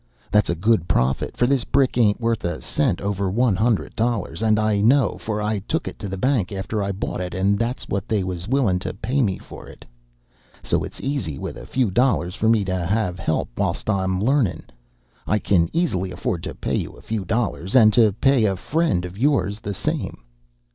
That's a good profit, for this brick ain't wuth a cent over one hundred dollars, and I know, for I took it to the bank after I bought it, and that's what they was willin' to pay me for it. So it's easy wuth a few dollars for me to have help whilst I'm learnin'. I can easy afford to pay you a few dollars, and to pay a friend of yours the same."